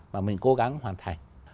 và mình cố gắng hoàn thành